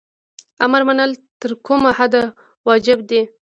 امر منل تر کومه حده واجب دي؟